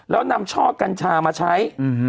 แล้วนำช่อกัญชามาใช้